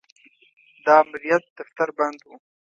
د امریت دفتر بند و.